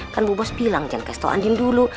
kan bu bos bilang jangan kestol andin dulu